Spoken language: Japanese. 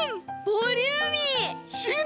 ボリューミー！